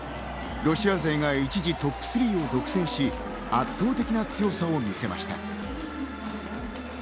ロシア勢が一時トップ３を独占し、圧倒的な強さを見せました。